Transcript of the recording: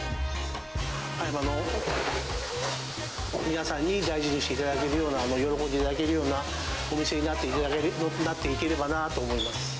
葉山の皆さんに大事にしていただけるような、喜んでいただけるようなお店になっていければなぁと思います。